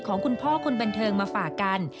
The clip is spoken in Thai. ของคุณพ่อคนบันเทิงมาฝากกัน